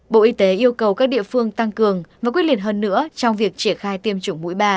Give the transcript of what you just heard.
bộ y tế yêu cầu các địa phương tăng cường và quyết liệt hơn nữa trong việc triển khai tiêm chủng mũi ba